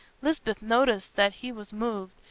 Lisbeth noticed that he was moved.